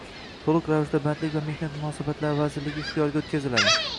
to‘liq ravishda Bandlik va mehnat munosabatlari vazirligi ixtiyoriga o‘tkaziladi.